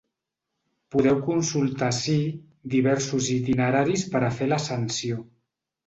Podeu consultar ací diversos itineraris per a fer l’ascensió.